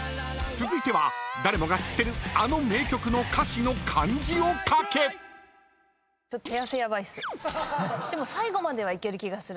［続いては誰もが知ってるあの名曲の歌詞の漢字を書け］手汗ヤバいっす。